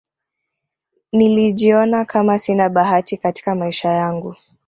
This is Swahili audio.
nilijiona Kama sina bahati Katika maisha yangu